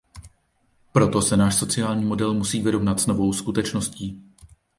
Proto se náš sociální model musí vyrovnat s novou skutečností.